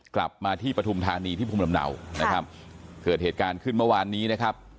กลับมาที่ปฐุมธานีที่ภูมิลำเนานะครับเกิดเหตุการณ์ขึ้นเมื่อวานนี้นะครับ